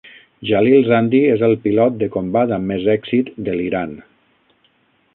Jalil Zandi és el pilot de combat amb més èxit de l'Iran.